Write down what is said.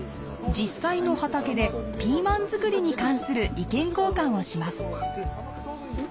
実際の畑でピーマン作りに関する意見交換をします。